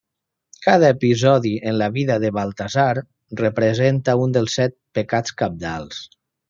Cada episodi en la vida de Baltasar representa un dels set pecats cabdals.